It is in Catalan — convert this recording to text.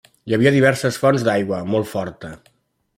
Hi havia diverses fonts d'aigua molt forta.